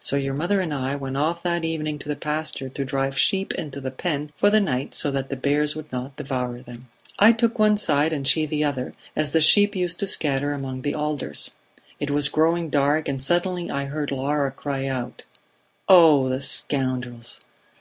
So your mother and I went off that evening to the pasture to drive the sheep into the pen for the night so that the bears would not devour them. "I took one side and she the other, as the sheep used to scatter among the alders. It was growing dark, and suddenly I heard Laura cry out: 'Oh, the scoundrels!'